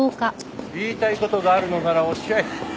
言いたい事があるのならおっしゃい。